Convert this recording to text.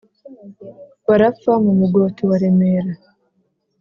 Barapfa mu Mugoti wa Remera